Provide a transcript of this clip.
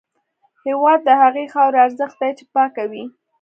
هېواد د هغې خاورې ارزښت دی چې پاکه وي.